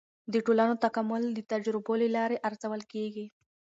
د ټولنو تکامل د تجربو له لارې ارزول کیږي.